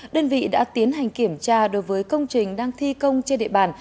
đơn vị đã tiến hành kiểm tra đối với công trình đang thi công trên địa bàn